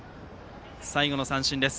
最後の三振です。